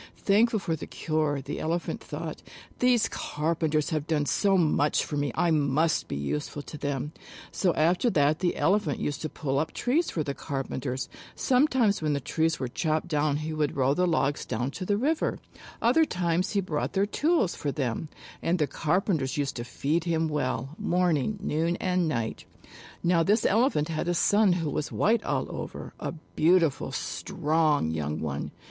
Thankful for the cure, the Elephant thought: "These carpenters have done so much for me, I must be useful to them." So after that the Elephant used to pull up trees for the carpenters. Sometimes when the trees were chopped down he would roll the logs down to the river. 69 JATAKA TALES He held up foot and the carpenters saw that it was swollen and sore. Other times he brought their tools for them. And the carpenters used to feed him well morning, noon and night. Now this Elephant had a son who was white all over a beautiful, strong young one.